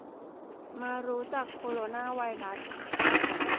มารู้จักโคโรนาไวรัส